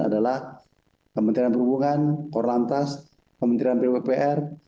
adalah kementerian perhubungan kor lantas kementerian pwpr